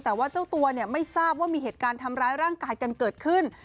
แต่ว่าเจ้าตัวไม่ทราบว่ามีเหตุการณ์ทำร้ายร่างกายกันเกิดขึ้น